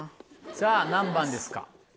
さぁ何番ですか。